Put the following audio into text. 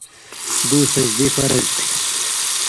دو سجدی فرض تھی۔